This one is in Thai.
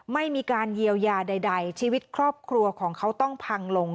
ไม่มีการเยียวยาใดชีวิตครอบครัวของเขาต้องพังลง